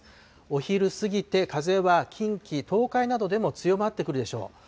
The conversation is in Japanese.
お昼過ぎて風は近畿、東海などでも強まってくるでしょう。